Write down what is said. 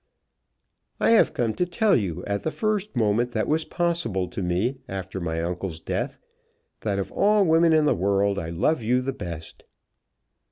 "I have come to tell you, at the first moment that was possible to me after my uncle's death, that of all women in the world I love you the best."